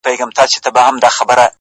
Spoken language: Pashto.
• وغورځول ـ